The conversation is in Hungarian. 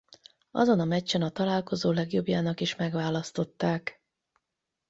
Azon a meccsen a találkozó legjobbjának is megválasztották.